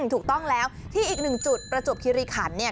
ถูกต้องแล้วที่อีกหนึ่งจุดประจวบคิริขันเนี่ย